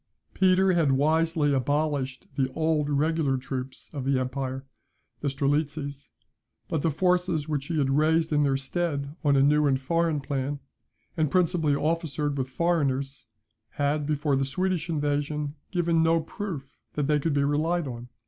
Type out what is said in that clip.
Peter had wisely abolished the old regular troops of the empire, the Strelitzes; but the forces which he had raised in their stead on a new and foreign plan, and principally officered with foreigners, had, before the Swedish invasion, given no proof that they could be relied on.